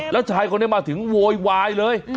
แล้วชายเขามาถึงโวยวายเลย